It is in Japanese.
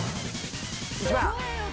１番。